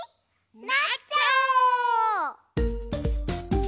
なっちゃおう！